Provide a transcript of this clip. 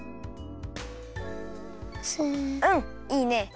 うんいいね。